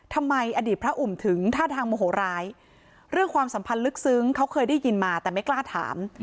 อดีตพระอุ่มถึงท่าทางโมโหร้ายเรื่องความสัมพันธ์ลึกซึ้งเขาเคยได้ยินมาแต่ไม่กล้าถาม